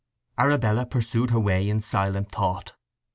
Arabella pursued her way in silent thought.